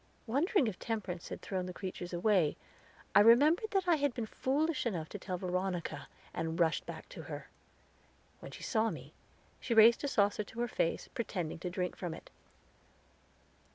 Wondering if Temperance had thrown the creatures away, I remembered that I had been foolish enough to tell Veronica, and rushed back to her. When she saw me, she raised a saucer to her face, pretending to drink from it.